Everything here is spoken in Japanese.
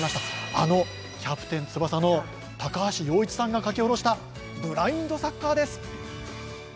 あの「キャプテン翼」の高橋陽一さんが書き下ろした「ブラインドサッカー」です。